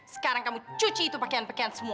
sekarang kamu cuci itu pakaian pakaian semua